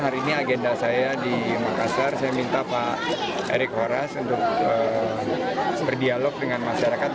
hari ini agenda saya di makassar saya minta pak erick horas untuk berdialog dengan masyarakat